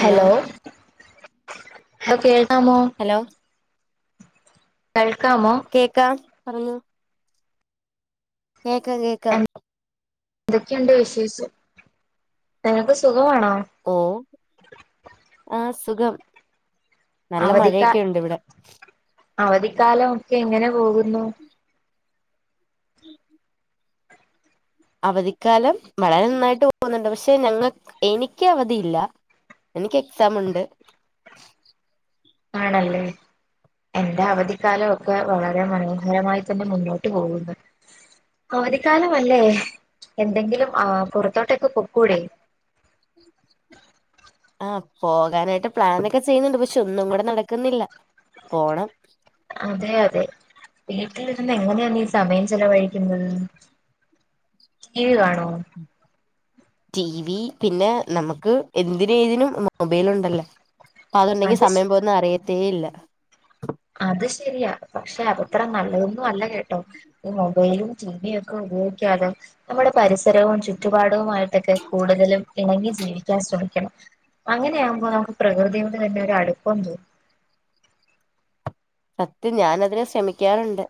Hello? Hello കേൾക്കാമോ? Hello? കേൾക്കാമോ? കേൾക്കാം. പറഞ്ഞോ? കേക്കാം കേക്കാം. എന്തൊക്കെയുണ്ട് വിശേഷം? നിനക്ക് സുഖമാണോ? ഓ? ആഹ് സുഖം. നല്ല അവധിക്കാ മഴയൊക്കെ ഉണ്ട് ഇവിടെ അവധിക്കാലം ഒക്കെ എങ്ങനെ പോകുന്നു? [inaudible] അവധിക്കാലം വളരെ നന്നായിട്ട് പോകുന്നുണ്ട്, പക്ഷെ ഞങ്ങൾ എനിക്ക് അവധിയില്ല. എനിക്ക് എക്സാം ഉണ്ട്. ആണല്ലേ? എന്റെ അവധിക്കാലം ഒക്കെ വളരെ മനോഹരമായി... തന്നെ മുന്നോട്ട് പോകുന്നു. അവധിക്കാലമല്ലേ? എന്തെങ്കിലും ആഹ് പുറത്തോട്ടൊക്കെ പൊക്കൂടെ? ആഹ് പോകാനായിട്ട് പ്ലാനൊക്കെ ചെയ്യുന്നുണ്ട്, പക്ഷെ ഒന്നും കൂടെ നടക്കുന്നില്ല. പോണം. അതെ അതെ. വീട്ടിലിരുന്ന് എങ്ങനെയാണ് ഈ സമയം ചെലവഴിക്കുന്നത്? ടീ വി കാണോ? T V. പിന്നെ നമ്മുക്ക് എന്തിന് ഏതിനും മൊബൈൽ ഉണ്ടല്ലോ. അപ്പൊ അതുണ്ടെങ്കി അത് ശ സമയം പോകുന്നെ അറിയത്തേ ഇല്ല. അത് ശരിയാ, പക്ഷെ അതത്ര നല്ലതൊന്നും അല്ല കേട്ടോ. ഈ മൊബൈലും ടിവിയും ഒക്കെ ഉപയോഗിക്കാതെ നമ്മുടെ പരിസരവും ചുറ്റുപാടവുമായി [unintelligible] കൂടുതലും ഇണങ്ങി ജീവിക്കാൻ ശ്രമിക്കണം. അങ്ങനെയാകുമ്പോ നമ്മുക്ക് പ്രകൃതിയോടെ തന്നെ ഒരു അടുപ്പം ഉണ്ട്. സത്യം, ഞാൻ അതിന് ശ്രമിക്കാറുണ്ട്.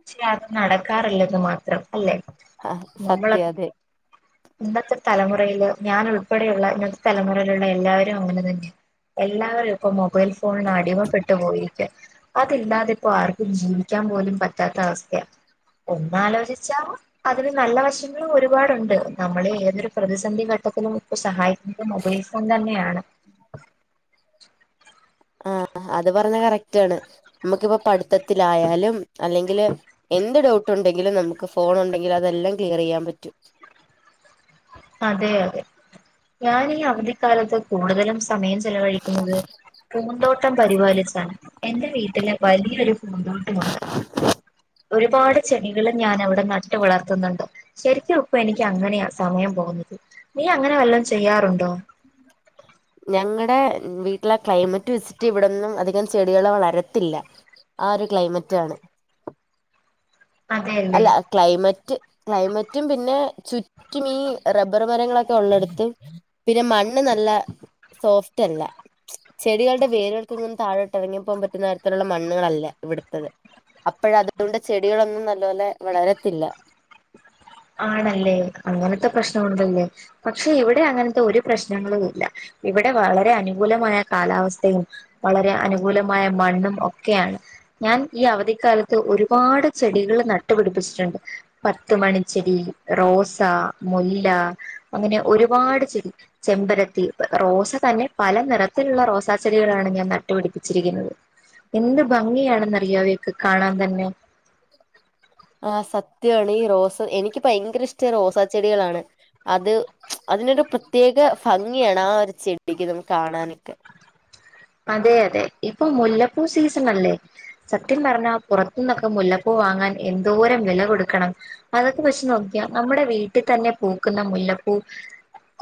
പക്ഷെ അത് നടക്കാറില്ലെന്ന് മാത്രം അല്ലെ? ആ നമ്മളെ... സത്യം അതെ ഇന്നത്തെ തലമുറയില് ഞാൻ ഉൾപ്പെടെയുള്ള ഇന്നത്തെ തലമുറയിലുള്ള എല്ലാവരും അങ്ങനെ തന്നെ. എല്ലാവരും. ഇപ്പൊ മൊബൈൽ ഫോണിന് അടിമപ്പെട്ടു പോയിരിക്ക, അതില്ലാതെ ഇപ്പോ ആർക്കും ജീവിക്കാൻ പോലും പറ്റ പറ്റാത്ത അവസ്ഥയാ, ഒന്ന് ആലോചിച്ചാ... അതിന് നല്ല വശങ്ങളും ഒരുപാടുണ്ട്. നമ്മള് ഏതൊരു പ്രതിസന്ധി ഘട്ടത്തിലും സഹായിക് [unintelligible] മൊബൈൽ ഫോൺ തന്നെയാണ്. ആഹ് ആഹ്, അത് പറഞ്ഞ കറക്റ്റ് ആണ്. നമ്മക്കിപ്പൊ പഠിത്തത്തിലായാലും അല്ലെങ്കില്... എന്ത് ഡൗട്ട് ഉണ്ടെങ്കിലും നമ്മുക്ക് ഫോൺ ഉണ്ടെങ്കിൽ അതെല്ലാം ക്ലിയർ ചെയ്യാൻ പറ്റും. അതെ അതെ. ഞാനീ അവധിക്കാലത്ത്... കൂടുതലും സമയം ചെലവഴിക്കുന്നത് പൂന്തോട്ടം പരിപാലിച്ചാണ്. എന്റെ വീട്ടില് വലിയൊരു പൂന്തോട്ടമുണ്ട്. ഒരുപാട് ചെടികളും ഞാൻ അവിടെ നട്ട് വളർത്തുന്നുണ്ട്. ശരിക്കും ഇപ്പൊ എനിക്ക് അങ്ങനെയാ സമയം... പോവുന്നത്. നീ അങ്ങനെ വല്ലം ചെയ്യാറുണ്ടോ? ഞങ്ങടെ വീട്ടിലെ ക്ലൈമറ്റ് വെച്ചിട്ട് ഇവിടൊന്നും അധികം ചെടികള് വളരത്തില്ല ആ ഒരു ക്ലൈമറ്റാണ് അതെയല്ലേ അല്ല ക്ലൈമറ്റ് ക്ലൈമറ്റും പിന്നെ ചുറ്റും ഇ റബ്ബർ മരങ്ങളൊക്കെ ഉള്ളടുത്ത് പിന്നെ മണ്ണ് നല്ല സോഫ്റ്റ് അല്ല ചെടികളുടെ വേരുകൾക്ക് ഇങ്ങു താഴോട്ട് ഇറങ്ങി പോകാൻ പറ്റുന്ന തരത്തിലുള്ള മണ്ണുകളല്ല ഇവിടുത്തത് അപ്പോഴ അതുകൊണ്ട് ചെടികളൊന്നും നല്ലപോലെ വളരത്തില്ല ആണല്ലേ അങ്ങനത്തെ പ്രശ്നംഉണ്ടല്ലേ പക്ഷെ ഇവിടെ അങ്ങനത്തെ ഒരു പ്രശ്നങ്ങളും ഇല്ല ഇവിടെ വളരെ അനുകൂലമായ കാലാവസ്ഥയും വളരെ അനുകൂലമായ മണ്ണും ഒക്കെയാണ് ഞാൻ ഈ അവധിക്കാലത്ത് ഒരുപാട് ചെടികൾ നട്ടുപിടിപ്പിച്ചിട്ടുണ്ട് പത്ത് മണി ചെടി റോസ മുല്ല അങ്ങനെ ഒരുപാട് ചെടി ചെമ്പരത്തി റോസ്തന്നെ പല നിറത്തിലുള്ള റോസാ ചെടികളാണ് ഞാൻ നട്ടുപിടിപ്പിച്ചിരിക്കുന്നത് എന്ത് ഭംഗിയാണെന്ന് അറിയാവൊക്കെ കാണാൻ തന്നെ ആ സത്യമാണ് ഈ റോസ് എനിക്ക് ഭയങ്കര ഇഷ്ട റോസാ ചെടികളാണ് അത് അതിനൊരു പ്രത്യേക ഭംഗിയാണ് ആ ഒരു ചെടിക്ക് നമുക്ക് കാണാനൊക്കെ അതെ അതെ ഇപ്പൊ മുല്ലപ്പൂ സീസൺ അല്ലേ സത്യം പറഞ്ഞാ പുറത്തു നിന്നൊക്കെ മുല്ലപ്പൂ വാങ്ങാൻ എന്തോരം വില കൊടുക്കണം അതൊക്കെ വച്ച് നോക്കിയ നമ്മുടെ വീട്ടിൽ തന്നെ പൂക്കുന്ന മുല്ലപ്പൂ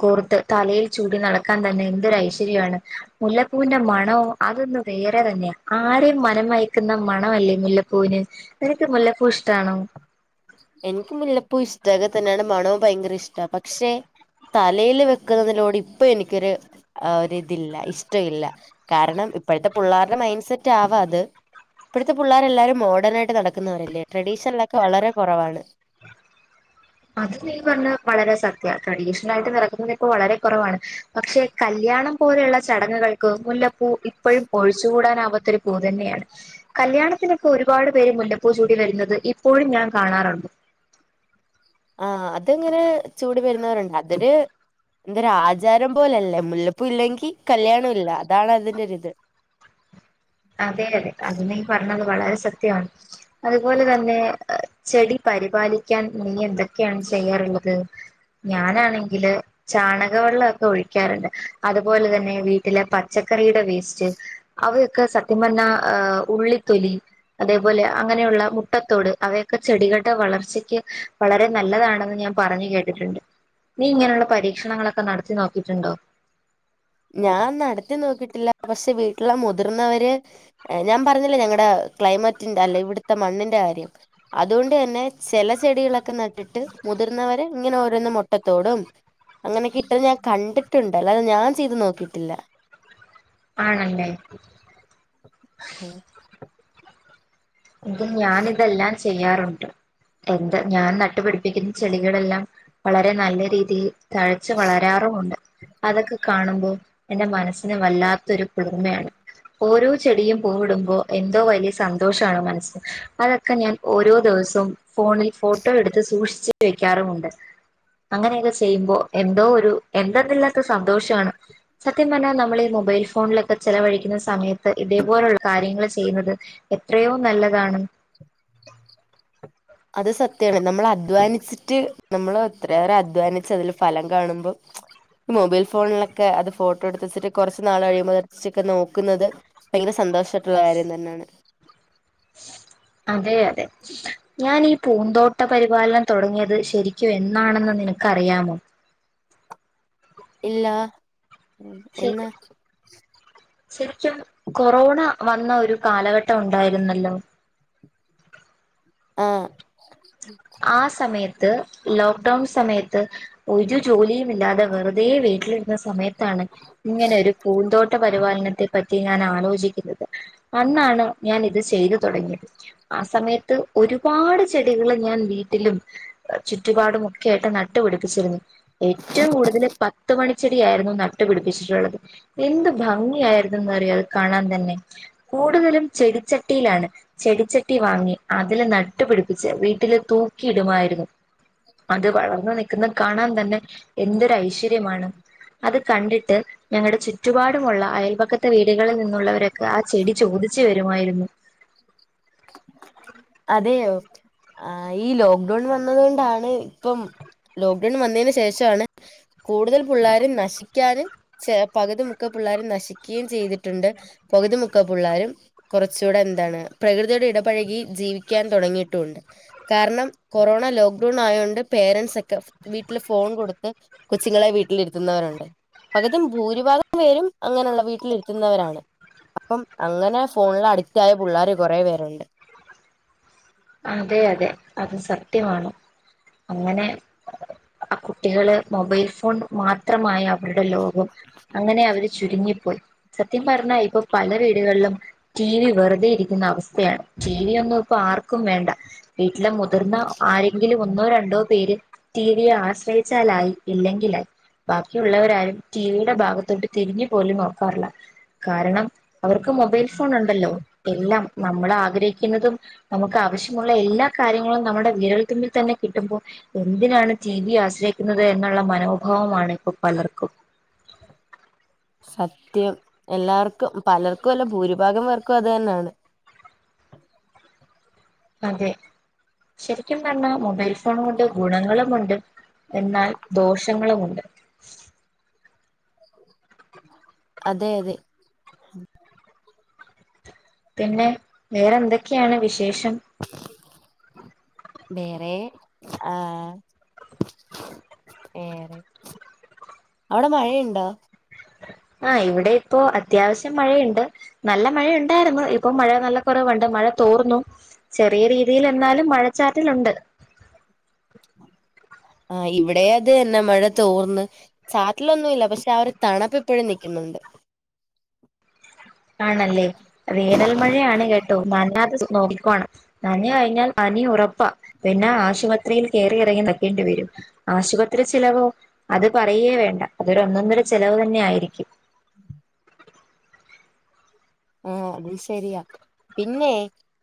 കോർത്ത് തലയിൽ ചൂടി നടക്കാൻ തന്നെ എന്തൊരു ഐശ്വര്യമാണ് മുല്ല പൂവിന്റെ മണോ അതൊന്നന്ന് വേറെ തന്നെയ ആരെയും മനം മയക്കുന്ന മണ അല്ലേ മുല്ലപ്പൂവിന് നിനക്ക് മുല്ലപ്പൂ ഇഷ്ടാണോ എനിക്ക് മുല്ലപൂഇഷ്ടൊക്കെ തന്നെയാണ് മണവും ഭയങ്കര ഇഷ്ടമാണ് പക്ഷെ തലയിൽ വെക്കുന്നതിലൂടെ ഇപ്പ എനിക്കൊരു ഒ ഇതില്ല ഇഷ്ടമില്ല കാരണം ഇപ്പോഴത്തെ പിള്ളേരുടെ മൈയ്ൻ സെറ്റ് ആവാ അത് ഇപ്പോഴത്തെ പിള്ളേരെ എല്ലാരും മോഡേൺ ആയിട്ട് നടക്കുന്നവരല്ലേ ട്രഡീഷണലൊക്കെ വളരെ കുറവാണ് അത് നീ പറഞ്ഞ വളരെ സത്യ ക്രഡീഷണൽ ആയിട്ട് നടക്കുന്നത് ഇപ്പോൾ വളരെ കുറവാണ് പക്ഷെ കല്യാണം പോലെയുള്ള ചടങ്ങുകൾക്ക് മുല്ലപ്പൂ ഇപ്പോഴും ഒഴിച്ചുകൂടാനാവാത്തൊ ഒരു പൂ തന്നെയാണ് കല്യാണത്തിനൊക്കെ ഒരുപാട് പേര് മുല്ലപ്പൂ ചൂടി വരുന്നത് ഇപ്പോഴും ഞാൻ കാണാറുണ്ട് ആഹ് അതങ്ങനെ ചൂടി വരുന്നവരുണ്ട് അതൊരു എന്തൊരു ആചാരം പോലല്ലേ മുല്ലപ്പ ഇല്ലെങ്കിൽ കല്യാണം ഇല്ല അതാണ് അതിന്റെരിത് അതെ അതെ അത് നീ പറഞ്ഞത് വളരെ സത്യമാണ് അതുപോലെ തന്നെ ചെടി പരിപാലിക്കാൻ നീ എന്തൊക്കെയാണ് ചെയ്യാറുള്ളത് ഞാനാണെങ്കില് ചാണക വെള്ളമൊക്കെ ഒഴിക്കാറുണ്ട് അതുപോലെ തന്നെ വീട്ടിലെ പച്ചക്കറിയുടെ വേസ്റ്റ് അവയൊക്കെ സത്യ പറഞ ഉള്ളിത്തൊലി അതേപോലെ അങ്ങനെയുള്ള മുട്ടത്തോട് അവയൊക്കെ ചെടികളുടെ വളർച്ചയ്ക്ക് വളരെ നല്ലതാണെന്ന് ഞാൻ പറഞ്ഞു കേട്ടിട്ടുണ്ട് നീ ഇങ്ങനെയുള്ള പരീക്ഷണങ്ങളൊക്കെ നടത്തി നോക്കിയിട്ടുണ്ടോ ഞാൻ നടത്തി നോക്കിട്ടില്ല പക്ഷെ വീട്ടിലെമുതിർന്നവര് ഞാൻ പറഞ്ഞില്ലെ ഞങ്ങടെ ക്ലൈമറ്റിന്റെ അല്ല ഇവിടുത്തെ മണ്ണിന്റെ കാര്യം അതുകൊണ്ട് തന്നെ ചില ചെടികളൊക്കെ നട്ടിട്ട് മുതിർന്നവര് ഇങ്ങനെ ഓരോന്നും മുട്ടത്തോടും അങ്ങനെ കെ ഇട്ടത്ഞാൻ കണ്ടിട്ടുണ്ട് അല്ലാതെ ഞാൻ ചെയ്ത് നോക്കിട്ടില്ല ആണല്ലേ [unintelligible] ഇതുംഞാൻ ഇതെല്ലാം ചെയ്യാറുണ്ട് എന്താ ഞാൻ നട്ടുപിടിപ്പിക്കുന്ന ചെടികളെല്ലാം വളരെ നല്ല രീതിയിൽ തഴച്ച് വളരാറുമുണ്ട് അതൊക്കെ കാണുമ്പോൾ എന്റെ മനസ്സിന് വല്ലാത്ത ഒരു കുളിർമയാണ് ഓരോ ചെടിയും പൂവിടുമ്പോ എന്തോ വലിയ സന്തോഷണോ മനസ്സിന് അതൊക്കെ ഞാൻ ഓരോ ദിവസവും ഫോണിൽ ഫോട്ടോ എടുത്ത് സൂക്ഷിച്ച് വെക്കാറുമുണ്ട് അങ്ങനെയൊക്കെ ചെയ്യുമ്പോ എന്തോ ഒരു എന്തെന്നില്ലാത്ത സന്തോഷമാണ് സത്യം പറഞ്ഞാൽ നമ്മൾ ഈ മൊബൈൽ ഫോണിലൊക്കെ ചെലവഴിക്കുന്ന സമയത്ത് ഇതേപോലെയുള്ള കാര്യങ്ങൾ ചെയ്യുന്നത് എത്രയോ നല്ലതാണ് അത് സത്യമാണ് നമ്മൾ അധ്വാനിച്ചിട്ട് നമ്മള് എത്രയേറെ അധ്വാനിച്ച് അതില് ഫലം കാണുമ്പോൾ മൊബൈൽ ഫോൺലൊക്കെ അത് ഫോട്ടോ ട്തെച്ട്ട് കൊറച്ച് നാൾ കഴിയുമ്പോ ച്ചികെന്ന് നോക്ക്ന്നെത് ഭയങ്കര സന്തോഷായിട്ടുള്ള കാര്യം തന്നാണ് അതെ അതെ ഞാൻ ഈ പൂന്തോട്ട പരിപാലനം തൊടങ്ങിയത് ശരിക്കും എന്നാണെന്ന് നിനക്കറിയാമോ ഇല്ല ശ എന്നാ? ശരിക്കും കൊറോണ വന്ന ഒരു കാലഘട്ടം ഉണ്ടായിരുന്നല്ലോ ആഹ് ആ സമയത്ത് ലോക്ക്ഡൌൺ സമയത്ത് ഒരു ജോലിയും ഇല്ലാതെ വെറുതെ വീട്ടിലിരുന്ന സമയത്താണ് ഇങ്ങനൊരു പൂന്തോ ട്ട പരിപാലനത്തെ പറ്റി ഞാൻ ആലോചിക്കുന്നത് അന്നാണ് ഞാൻ ഇത് ചെയ്തു തുടങ്ങിയത് ആ സമയത്ത് ഒരുപാട് ചെടികള് ഞാൻ വീട്ടിലും ചുറ്റുപാടും ഒക്കെ ആയിട്ട് നട്ടു പിടിപ്പിച്ചിരുന്നു ഏറ്റവും കൂടുതൽ പത്ത് മണി ച്ചെടിയായിരുന്നു നട്ടു പിടിപ്പിച്ചിട്ടുള്ളത് എന്ത് ഭംഗിയായിരുന്നുന്ന്റിയോ അത് കാണാൻ തന്നെ കൂടുതലും ചെടിച്ചട്ടിയിലാണ് ചെടിച്ചട്ടി വാങ്ങി അതില് നട്ടുപിടിപ്പിച്ച വീട്ടില് തൂക്കിയിടുമായിരുന്നു അത് വളർന്നു നിക്കുന്ന കാണാൻ തന്നെ എന്തൊരു ഐശ്വര്യമാണ് അത് കണ്ടിട്ട് ഞങ്ങളുടെ ചുറ്റുപാടുമുള്ള അയൽപക്ക വീടുകളിൽ നിന്നുള്ളവരൊക്കെ ആ ചെടി ചോദിച്ചു വരുമായിരുന്നു അതെയോ ആഹ് ഈ ലോക്ക്ഡൌൺ വന്നത് കൊണ്ടാണ് പ്പം ലോക്ക്ഡൌൺ വനന്നേയ്ന് ശേഷാണ് കൂടുതൽ പിള്ളേര് നശിക്കാനും ച പകുതി മുക്ക പിള്ളാരും നശിക്കുകയും ചെയ്തിട്ടുണ്ട് പകുതി മുക്ക പിള്ളാരും കുറച്ചുടെ എന്താണ് പ്രകൃതിയോട് ഇടപഴകി ജീവിക്കാൻ തുടങ്ങിയിട്ടുണ്ട് കാരണം കൊറോണ ലോക്ക്ഡൌൺ ആയോണ്ട് പേരൻറ്സൊ ക്കെ വീട്ടില് ഫോൺ കൊടുത്ത് കൊച്ചുങ്ങളെ വീട്ടിലിരുത്തുന്നവരുണ്ട് പകുതിം ഭൂരിഭാഗം പേരും അങ്ങനെള്ള വീട്ടിലിരുത്തുന്നവരാണ് അപ്പം അങ്ങനെ ഫോണില് അഡിക്റ്റ് ആയ പുള്ളാര് കൊറെ പേരുണ്ട് അതെ അതെ അത് സത്യമാണ് അങ്ങനെ മ് കുട്ടികള് മൊബൈൽ ഫോൺ മാത്രമായി അവരുടെ ലോകം അങ്ങനെ അവര് ചുരുങ്ങിപ്പോയി സത്യം പറഞ്ഞാ ഇപ്പൊ പല വീടുകളിലും ടി വി വെറുതെ ഇരിക്കുന്ന അവസ്ഥയാണ് ടി വി ഒന്നും പ്പ ആർ ക്കും വേണ്ട വീട്ടിലെ മുതിർന്ന ആരെങ്കിലും ഒന്നോ രണ്ടോ പേര് ടി വിയെ ആശ്രയിച്ചാലായി ഇല്ലെങ്കിലായി ബാക്കിയുള്ളവരാരും ടിവിയുടെ ഭാഗത്തോട്ട് തിരിഞ്ഞു പോലും നോക്കാറില്ല കാരണം അവർക്ക് മൊബൈൽ ഫോൺ ഉണ്ടല്ലോ എല്ലാം നമ്മൾ ആഗ്രഹിക്കുന്നതും നമുക്ക് ആവശ്യമുള്ള എല്ലാ കാര്യങ്ങളും നമ്മുടെ വിരൽ തുമ്പിൽ തന്നെ കിട്ടുമ്പോ എന്തിനാണ് ടി വി ആശ്രയിക്കുന്നത് എന്നുള്ള മനോഭാവമാണ് ഇപ്പൊ പലർക്കും സത്യം എല്ലാവർക്കും പലർക്കും അല്ല ഭൂരിഭാഗം പേർക്കും അത് തന്നാണ് അതെ ശരിക്കും പറഞ്ഞാ മൊബൈൽ ഫോൺ കൊണ്ട് ഗുണങ്ങളുമുണ്ട് എന്നാൽ ദോഷങ്ങളുമുണ്ട് അതെ അതെ പിന്നെ വേറെ ന്തൊക്കെയാണ് വിശേഷം? വേറെ ആ വേറെ അവടെ മഴയുണ്ടോ? ആ ഇവിടെ ഇപ്പൊ അത്യാവശ്യം മഴയുണ്ട് നല്ല മഴ ഉണ്ടായിരുന്നു ഇപ്പൊ മഴ നല്ല കുറവുണ്ട് മഴ തോർന്നു ചെറിയ രീതിയിൽ എന്നാലും മഴച്ചാറ്റലുണ്ട് ആ ഇവിടെ അത് എന്നേ മഴ തോർന്ന് ചാറ്റലൊന്നുഇല്ല പക്ഷെ ആ ഒര് തണപ്പ് ഇപ്പോഴും നിക്കുന്നുണ്ട് ആണല്ലേ വേനൽ മഴയാണ് കെ ട്ടോ നനയാതെ നോക്കിക്കോണം നനഞ്ഞ് കഴിഞ്ഞാൽ പനി ഉറപ്പാ പിന്നെ ആശുപ ത്രീൽ കേറി ഇറങ്ങി നിക്കേണ്ടി വരും ആശുപത്രി ചിലവോ അത് പറയേ വേണ്ട അതൊരു ഒന്നൊന്നര ചിലവ് തന്നെ ആയിരിക്കും ഏ അത് ശരിയാ പിന്നെ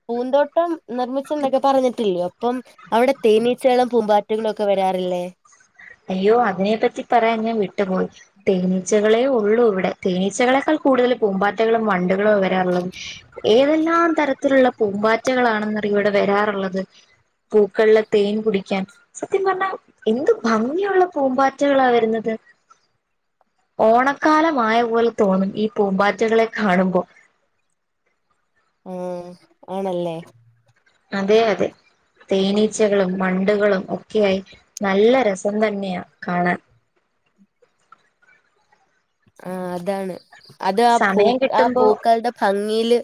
പൂന്തോട്ടം നിർമ്മിച്ചെന്നൊക്കെ പറഞ്ഞിട്ടില്ലേ അപ്പം അവിടെ തേനീച്ചകളും പൂമ്പാറ്റകളും ഒക്കെ വരാറില്ലേ? അയ്യോ അതിനെപ്പറ്റി പറയാൻ ഞാൻ വിട്ടുപോയി തേനീച്ചകളേ ഒള്ളൂ ഇവിടെ തേനീച്ചകളെക്കാൾ കൂടുതൽ പൂമ്പാറ്റകളും വണ്ടുകളും വരാറുള്ളത് ഏതെല്ലാം തരത്തിലുള്ള പൂമ്പാറ്റകളാണെന്നറിയൊ ഇവിടെ വരാറുള്ളത് പൂക്കളിലെ തേൻ കുടിക്കാൻ സത്യം പറഞ്ഞാൽ എന്ത് ഭംഗിയുള്ള പൂമ്പാറ്റകളാ വരുന്നത് ഓണക്കാലമായ പോലെ തോന്നും ഈ പൂമ്പാറ്റകളെ കാണുമ്പൊ ഏ ആണല്ലേ? അതെ അതെ തേനീച്ചകളും വണ്ടുകളും ഒക്കെയായി നല്ല രസം തന്നെയ കാണാൻ ആ അതാണ് അത് ആ പൂ സമയം ആ കിട്ടുമ്പോ പൂക്കളുടെ ഭംഗിയില്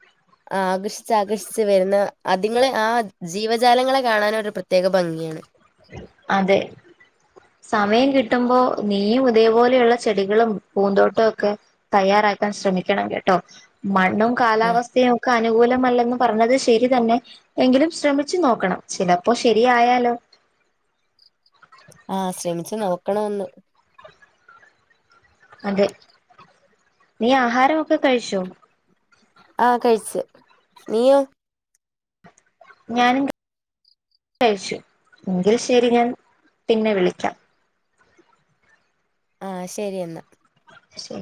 [inaudible] ആ ആകർഷിച്ചാകർഷിച്ച് വരുന്ന അതി ങ്ങളെ ആ ജീവജാലങ്ങളെ കാണാനൊരു പ്രത്യേക ഭംഗിയാണ് അതെ സമയം കിട്ടുമ്പൊ നീയും ഇതേപോലെയുള്ള ചെടികളും പൂന്തോട്ടൊ ഒക്കെ തയ്യാറാക്കാൻ ശ്രമിക്കണം കേട്ടോ മണ്ണും ആഹ് കാലാവസ്ഥയും ക്കെ അനുകൂലമല്ലന്ന് പറഞ്ഞത് ശരി തന്നെ എങ്കിലും ശ്രമിച്ചു നോക്കണം ചിലപ്പോ ശരിയായാലോ? ആ ശ്രമിച്ചു നോക്കണൊന്ന് അതെ നീ ആഹാരമൊക്കെ കഴിച്ചോ? ആ കഴിച്ച് നീയോ? ഞാനും കഴിച്ചു എങ്കിൽ ശരി ഞാൻ പിന്നെ വിളിക്കാം ആ ശരി എന്ന ശരി